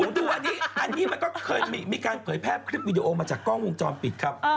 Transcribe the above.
ดูอันนี้มันก็เคยมีการเผยแพร่คลิปวิดีโอมาจากกล้องวงจรปิดครับ